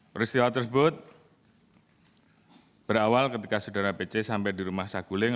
peristiwa tersebut berawal ketika saudara pc sampai di rumah saguling